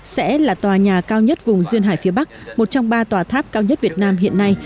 sẽ là tòa nhà cao nhất vùng duyên hải phía bắc một trong ba tòa tháp cao nhất việt nam hiện nay